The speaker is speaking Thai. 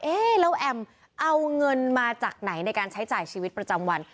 เอ๊ะแล้วแอมเอาเงินมาจากไหนในการใช้จ่ายชีวิตประจำวัน